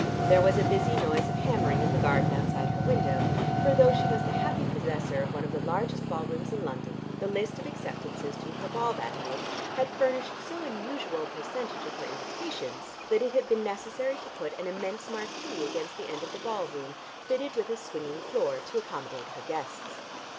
There was a busy noise of hammering in the garden outside her window, for though she was the happy possessor of one of the largest ballrooms in London, the list of acceptances to her ball that night had furnished so unusual a percentage of her invitations, that it had been necessary to put an immense marquee against the end of the ballroom fitted with a swinging floor to accommodate her guests.